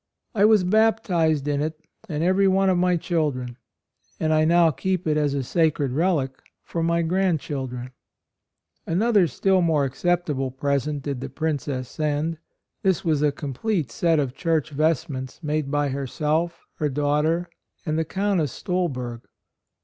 "I was baptized in it, and every one of my children ; and I now keep it as a sacred relic for my grandchildren." Another still more acceptable present did the Princess send; this was a complete set of church vestments made by her self, her daughter, and the 94 .4 ROYAL SON Countess Stolberg.